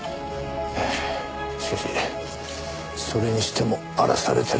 しかしそれにしても荒らされてるなぁ。